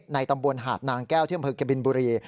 ในตำบวนหาดนางแก้วเที่ยวเมืองเกบินบุรี